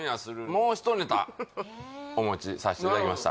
もうひとネタお持ちさせていただきました